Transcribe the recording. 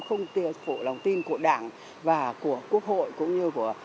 không phụ lòng tin của đảng và của quốc hội cũng như của